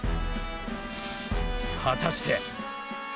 果たして。